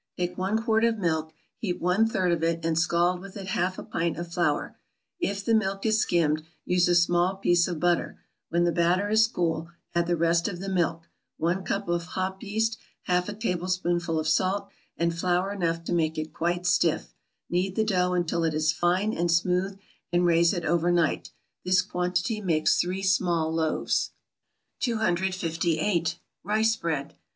= Take one quart of milk, heat one third of it, and scald with it half a pint of flour; if the milk is skimmed, use a small piece of butter; when the batter is cool, add the rest of the milk, one cup of hop yeast, half a tablespoonful of salt, and flour enough to make it quite stiff; knead the dough until it is fine and smooth, and raise it over night. This quantity makes three small loaves. 258. =Rice Bread.